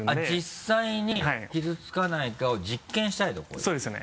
実際に傷つかないかを実験したいとここで。